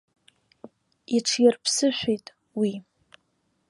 Иҽирԥсышәеит уи.